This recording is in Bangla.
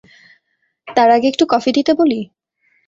তার আগে একটু কফি দিতে বলি?